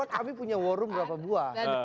kami punya war room berapa buah